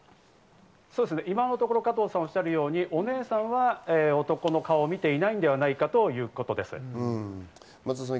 今のところ加藤さんがおっしゃるように、お姉さんは男の顔を見ていないのではないかということです。